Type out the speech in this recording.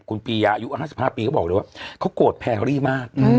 คุณปียาอายุ๕๕ปีเขาบอกเลยว่าเขาโกรธแพรรี่มาก